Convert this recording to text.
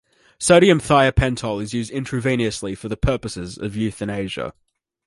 Sodium thiopental is used intravenously for the purposes of euthanasia.